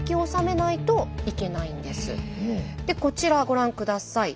でこちらご覧下さい。